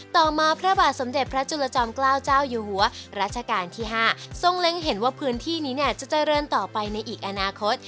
ต่อมาพระบาทสมเด็จพระจุลจอมเกล้าเจ้าอยู่หัวรัชกาลที่๕ทรงเล็งเห็นว่าพื้นที่นี้เนี่ยจะเจริญต่อไปในอีกอนาคต